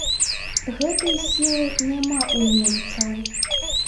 Гэтай сілы няма ў немцаў.